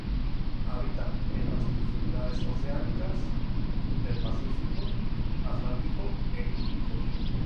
Habitan en las profundidades oceánicas del Pacífico, Atlántico e Índico.